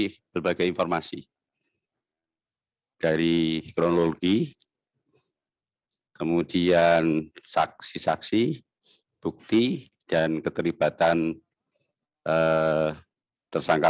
pengembang informasi dari kronologi kemudian saksi saksi bukti dan keterlibatan eh tersangka